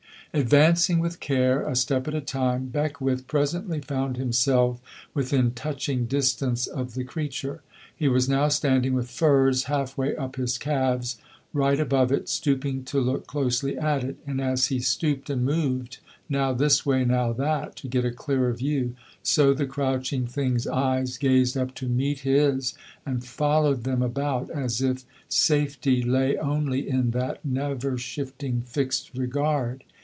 Advancing with care, a step at a time, Beckwith presently found himself within touching distance of the creature. He was now standing with furze half way up his calves, right above it, stooping to look closely at it; and as he stooped and moved, now this way, now that, to get a clearer view, so the crouching thing's eyes gazed up to meet his, and followed them about, as if safety lay only in that never shifting, fixed regard.